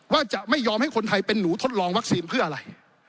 ว่าจะไม่ยอมให้คนไทยเป็นหนูทดลองวัคซีนเพื่ออะไร